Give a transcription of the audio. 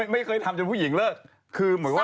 ไม่เคยทำจนผู้หญิงเลิก